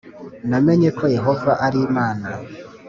namenye ko Yehova ari Imana.